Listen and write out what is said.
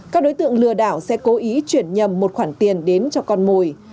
các đối tượng lừa đảo sẽ cố ý chuyển nhầm một khoản tiền đến cho con mồi